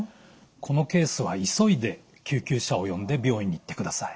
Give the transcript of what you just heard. このケースは急いで救急車を呼んで病院に行ってください。